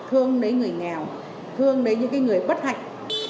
hướng đến người nghèo hướng đến những người bất hạnh